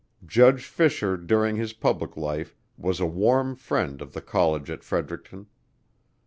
Judge Fisher during his public life was a warm friend of the College at Fredericton.